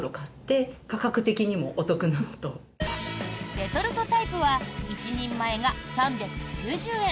レトルトタイプは１人前が３９０円。